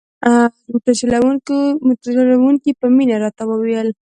موټر چلوونکي په مینه راته وویل.